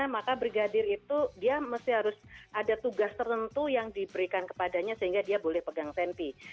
maka brigadir itu dia mesti harus ada tugas tertentu yang diberikan kepadanya sehingga dia boleh pegang sempi